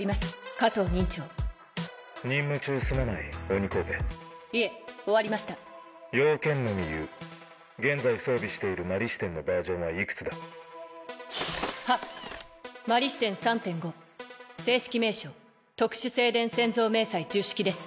加藤忍長忍務中すまない鬼首いえ終わりました用件のみ言う現在装備している摩利支天のバージョンはいくつだはっ摩利支天３．５正式名称特殊静電潜像迷彩１０式です